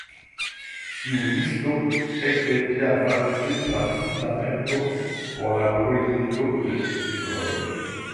Tiu listo ekde tiam fariĝis la fundamento por la bruligo de libroj.